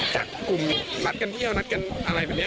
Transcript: จากกลุ่มนัดกันเที่ยวนัดกันอะไรแบบนี้